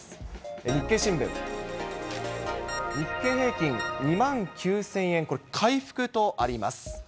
日経新聞、日経平均２万９０００円、これ、回復とあります。